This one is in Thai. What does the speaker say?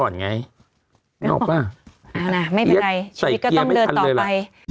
ไม่ทันเลยล่ะ